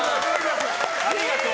ありがとう。